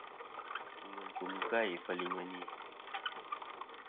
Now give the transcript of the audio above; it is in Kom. Wul ncum kɨ-a ifel i ŋweni.